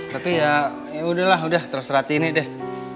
tapi ya ya udahlah udah terserah tini deh